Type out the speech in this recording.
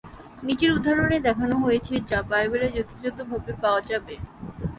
নিচের উদাহরণে, দেখানো হয়েছে যা বাইবেলে যথাযথভাবে পাওয়া যাবে।